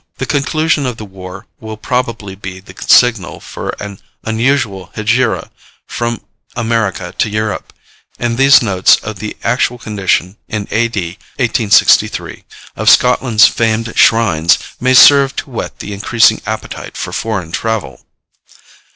The conclusion of the war will probably be the signal for an unusual hegira from America to Europe; and these notes of the actual condition, in A.D. 1863, of Scotland's famed shrines, may serve to whet the increasing appetite for foreign travel.